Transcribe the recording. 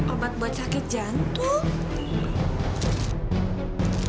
obat buat sakit jantung